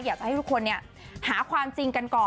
อยากให้ทุกคนเนี่ยหาความจริงกันก่อน